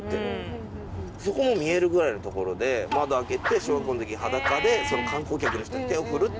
そこも見えるぐらいの所で窓開けて小学校の時に裸で観光客の人に手を振るっていう。